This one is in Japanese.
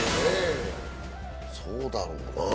そうだろうなぁ。